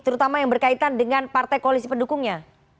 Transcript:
terutama yang berkaitan dengan partai koalisi pendukungnya